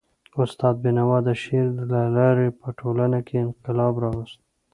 استاد بینوا د شعر د لاري په ټولنه کي انقلاب راوست.